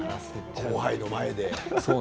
後輩の前で？